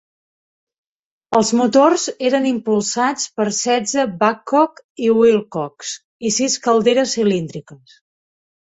Els motors eren impulsats per setze Babcock i Wilcox i sis calderes cilíndriques.